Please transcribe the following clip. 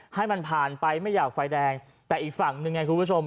ให้มันผ่านไปไม่อยากไฟแดงแต่อีกฝั่งหนึ่งไงคุณผู้ชม